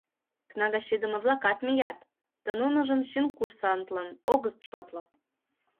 Кнагачыдыме-влакат мият, да нуныжым чын курсантлан огыт шотло.